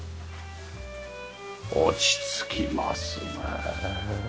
落ち着きますねえ。